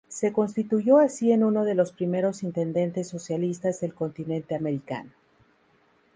Se constituyó así en uno de los primeros intendentes socialistas del continente americano.